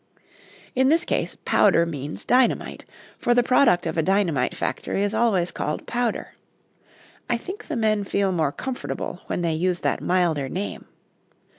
In this case "powder" means dynamite, for the product of a dynamite factory is always called powder. I think the men feel more comfortable when they use that milder name.